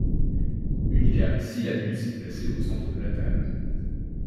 Une carte Syllabus est placée au centre de la table.